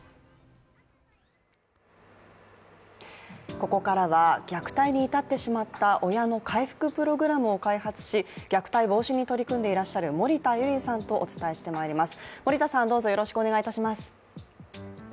ここからは虐待に至ってしまった親の回復プログラミングを開発し、虐待防止に取り組んでいらっしゃる森田ゆりさんとお伝えしてまいります。